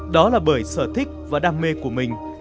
đó là bởi sở thích và đam mê của mình